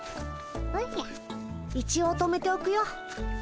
一応止めておくよ。